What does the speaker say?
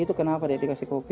itu kenapa dia dikasih kopi